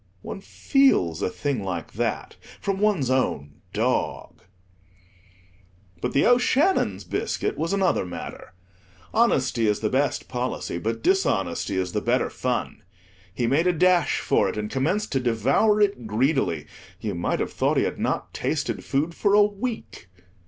One feels a thing like that from one's own dog. But The O'Shannon's biscuit was another matter. Honesty is the best policy; but dishonesty is the better fun. He made a dash for it, and commenced to devour it greedily; you might have thought he had not tasted food for a week.